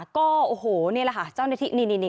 ก็โอ้โหนี่แหละค่ะเจ้าหน้าที่นี่